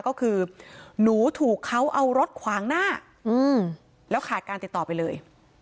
ก็คือหนูถูกเขาเอารถขวางหน้าแล้วขาดการติดต่อไปเลย